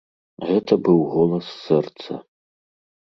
Гэта быў голас сэрца.